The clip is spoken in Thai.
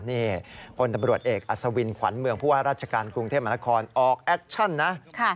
เนี่ยคนตำรวจเอกอสวินขวัญเมืองพวกราชการกรุงเทพมนาคมออกแอคชั่นนะค่ะ